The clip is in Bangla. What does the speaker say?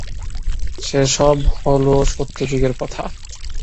সে-সব হল সত্যযুগের কথা।